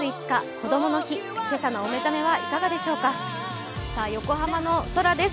こどもの日、今朝のお目覚めはいかがでしょうか横浜の空です。